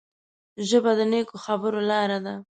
ژبه د نیکو خبرو لاره ده